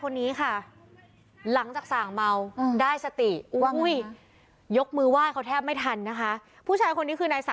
อ๋อนี่คนเดียวกันนะ